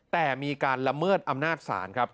แต่มีการละเมิดอำนาจศาลครับ